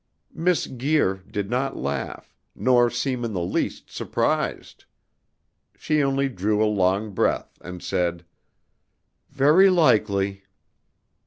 Miss Guir did not laugh, nor seem in the least surprised. She only drew a long breath and said: "Very likely!"